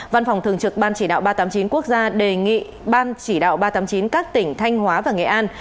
văn phòng thường trực ban chỉ đạo ba trăm tám mươi chín quốc gia đề nghị ban chỉ đạo ba trăm tám mươi chín các tỉnh thanh hóa và nghệ an